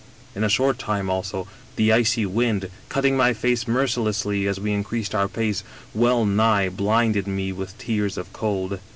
In a short time also the icy wind, cutting my face mercilessly as we increased our pace, well nigh blinded me with tears of cold.